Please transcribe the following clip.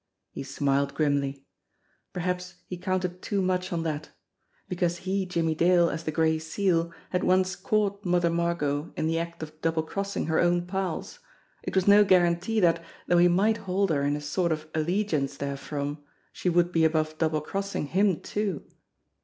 He smiled grimly. Perhaps he counted too much on that ! Because he, Jimmie Dale, as the Gray Seal, had once caught Mother Margot in the act of double crossing her own pals, it was no guarantee that, though he might hold her in a sort of allegiance therefrom, she would be above double crossing him too